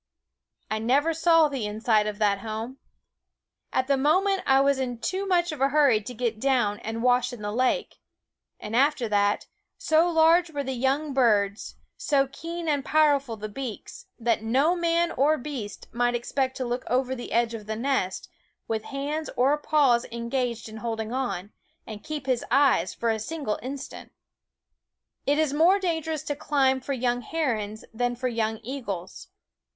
I never saw the inside of that home. At the moment I was in too much of a hurry to get down and wash in the lake ; and after that, so large were the young birds, so keen and power ful the beaks, that no man or beast might expect to look over the edge of the nest, with hands or paws engaged in holding on, and keep his eyes for a single instant. It is more dangerous to climb for young herons than for young eagles.